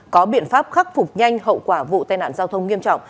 có biện pháp khắc phục nhanh hậu quả vụ tai nạn giao thông nghiêm trọng